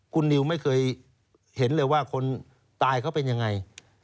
คุณนิวไม่เคยเห็นเลยว่าคนตายเขาเป็นยังไง